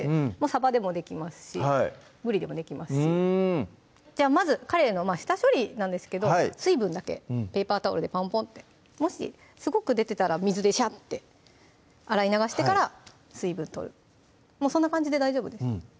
さばでもできますしぶりでもできますしじゃあまずかれいの下処理なんですけど水分だけペーパータオルでポンポンってもしすごく出てたら水でシャッて洗い流してから水分取るそんな感じで大丈夫です